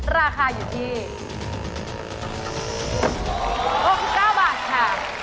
ราคาอยู่ที่๖๙บาทค่ะ